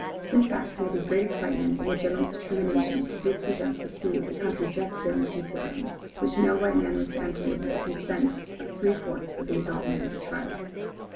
This fact created great excitement and a general determination to dispossess the Sioux of the country just guaranteed to them, which no white man was to enter without the consent of three fourths of the adult men of the tribe.